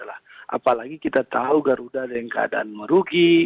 apalagi kita tahu garuda ada yang keadaan merugi